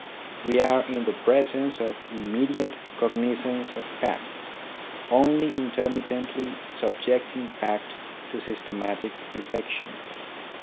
We are in the presence of immediate cognizance of fact, only intermittently subjecting fact to systematic dissection.